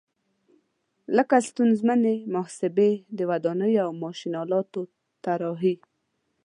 لکه ستونزمنې محاسبې، د ودانیو او ماشین آلاتو طراحي.